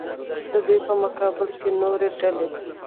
د دوی په مقابل کې نورې ډلې.